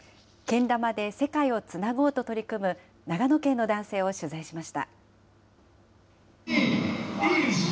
けん玉で世界をつなごうと取り組む、長野県の男性を取材しました。